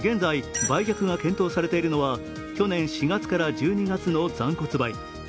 現在、売却が検討されているのは去年４月から１２月までの残骨灰。